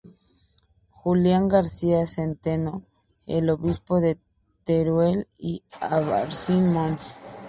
Julián García Centeno, el Obispo de Teruel y Albarracín Mons.